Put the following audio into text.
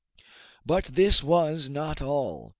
But this was not all.